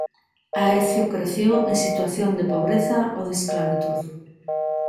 Aecio creció en situación de pobreza o de esclavitud.